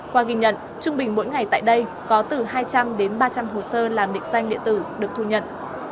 qua ghi nhận trung bình mỗi ngày tại đây có từ hai trăm linh đến ba trăm linh hồ sơ làm định danh điện tử được thu nhận